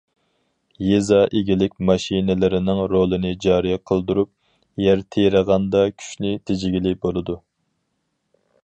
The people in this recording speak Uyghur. يېزا ئىگىلىك ماشىنىلىرىنىڭ رولىنى جارى قىلدۇرۇپ، يەر تېرىغاندا كۈچنى تېجىگىلى بولىدۇ.